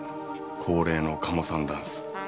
恒例のカモさんダンス。